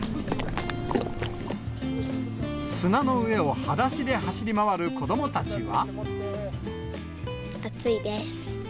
砂の上をはだしで走り回る子ども暑いです。